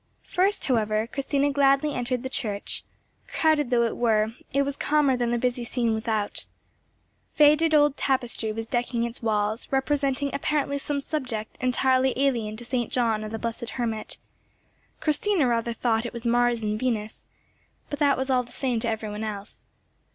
First however Christina gladly entered the church. Crowded though it were, it was calmer than the busy scene without. Faded old tapestry was decking its walls, representing apparently some subject entirely alien to St. John or the blessed hermit; Christina rather thought it was Mars and Venus, but that was all the same to every one else.